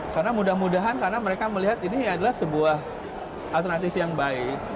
karena mudah mudahan karena mereka melihat ini adalah sebuah alternatif yang baik